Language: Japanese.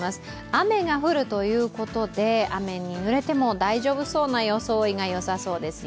雨が降るということで雨にぬれても大丈夫そうな装いがよさそうですよ。